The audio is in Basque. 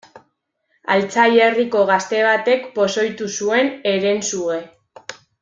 Altzai herriko gazte batek pozoitu zuen Herensuge.